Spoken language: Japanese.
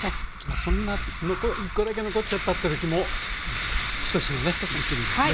そんな１コだけ残っちゃったという時も１品ねできるんですね。